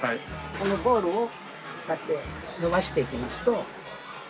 このボールをこうやって伸ばしていきますと。